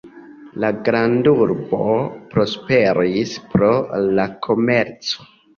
La grandurbo prosperis pro la komerco.